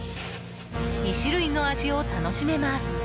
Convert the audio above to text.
２種類の味を楽しめます。